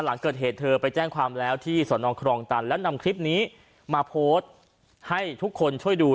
หลังเกิดเหตุเธอไปแจ้งความแล้วที่สนครองตันแล้วนำคลิปนี้มาโพสต์ให้ทุกคนช่วยดู